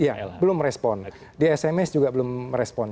iya belum respon di sms juga belum respon